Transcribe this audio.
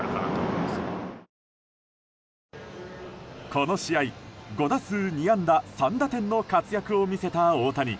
この試合５打数２安打３打点の活躍を見せた大谷。